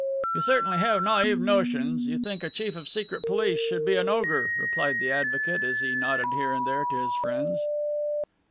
"You certainly have naive notions. You think a chief of Secret Police should be an ogre," replied the advocate as he nodded here and there to his friends.